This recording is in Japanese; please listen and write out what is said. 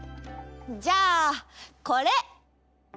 じゃあこれ。